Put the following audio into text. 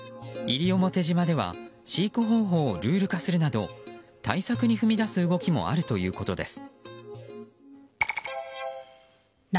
西表島では飼育方法をルール化するなど対策に踏み出す動きもあるということです。